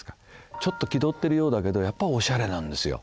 ちょっと気取ってるようだけどやっぱおしゃれなんですよ。